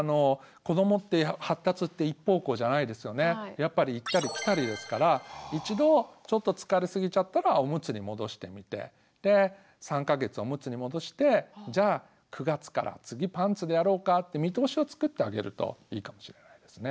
やっぱり行ったり来たりですから一度ちょっと疲れすぎちゃったらオムツに戻してみてで３か月オムツに戻してじゃ９月から次パンツでやろうかって見通しをつくってあげるといいかもしれないですね。